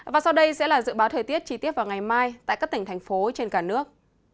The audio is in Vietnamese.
và sau đây sẽ là dự báo thời tiết chi tiết vào ngày mai tại các tỉnh thành phố trên cả nước